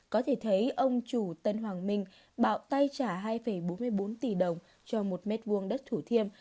có thể thấy ông chủ tân hoàng minh bạo tay trả hai bốn mươi bốn tỷ đồng cho một mét vuông đất thủ thiêm